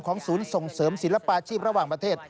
ศูนย์ส่งเสริมศิลปาชีพระหว่างประเทศ